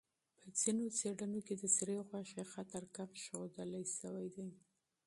په ځینو څېړنو کې د سرې غوښې خطر کم ښودل شوی دی.